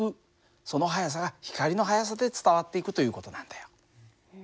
その速さが光の速さで伝わっていくという事なんだよ。